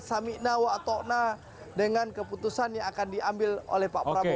samikna wa atokna ⁇ dengan keputusan yang akan diambil oleh pak prabowo